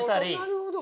なるほど。